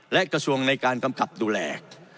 และกระทรวงในการกำกับดูแล